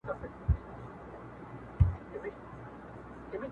خو وروسته ځیني پټ سوی دئ